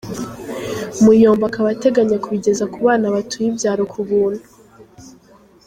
Muyombo akaba ateganya kubigeza ku bana batuye ibyaro ku buntu.